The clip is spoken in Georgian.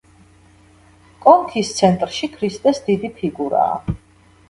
კონქის ცენტრში ქრისტეს დიდი ფიგურაა.